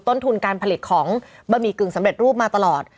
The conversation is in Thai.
ต้นทุนการผลิตของบะหมี่กึ่งสำเร็จรูปมาตลอด